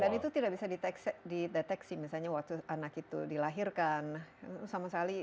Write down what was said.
dan itu tidak bisa dideteksi misalnya waktu anak itu dilahirkan sama sekali